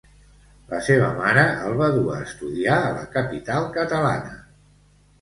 La seva mare el va dur a estudiar a la capital catalana.